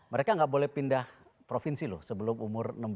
mereka nggak boleh pindah provinsi loh sebelum umur enam belas